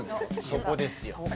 そこですよ。